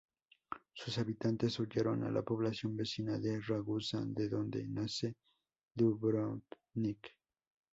Sus habitantes huyeron a la población vecina de Ragusa, de donde nace Dubrovnik.